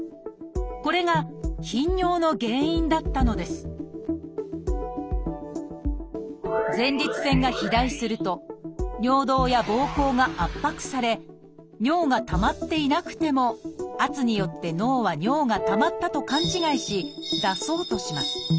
これが頻尿の原因だったのです前立腺が肥大すると尿道やぼうこうが圧迫され尿がたまっていなくても圧によって脳は尿がたまったと勘違いし出そうとします。